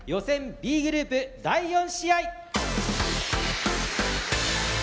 Ｂグループ第４試合。